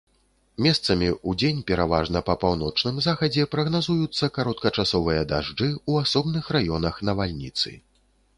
Месцамі, удзень пераважна па паўночным захадзе прагназуюцца кароткачасовыя дажджы, у асобных раёнах навальніцы.